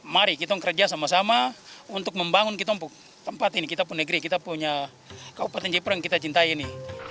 mari kita kerja sama sama untuk membangun kita tempat ini kita pun negeri kita punya kabupaten jayapura yang kita cintai ini